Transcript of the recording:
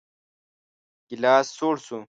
ګيلاس سوړ شو.